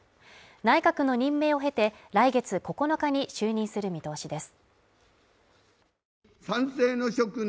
内閣の任命を経て来月９日に就任する見通しです。